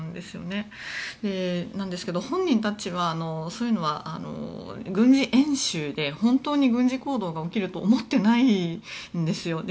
そうなんですけど本人たちはそういうのは軍事演習で本当に軍事行動が起きると思っていないんですよ。